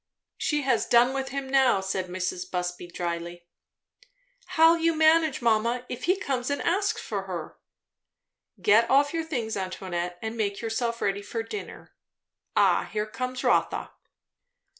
"She has done with him now," said Mrs. Busby drily. "How'll you manage, mamma, if he comes and asks for her?" "Get your things off, Antoinette, and make yourself ready for dinner. Ah, here comes Rotha."